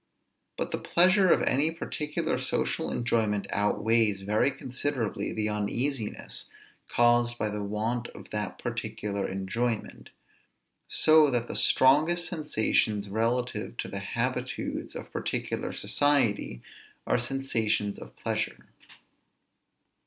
But the pleasure of any particular social enjoyment outweighs very considerably the uneasiness caused by the want of that particular enjoyment; so that the strongest sensations relative to the habitudes of particular society are sensations of pleasure.